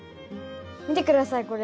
見て下さいこれ。